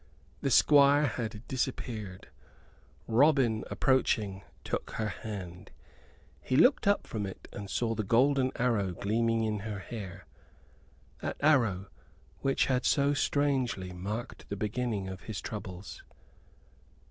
The Squire had disappeared. Robin, approaching, took her hand. He looked up from it, and saw the golden arrow gleaming in her hair that arrow which had so strangely marked the beginning of his troubles.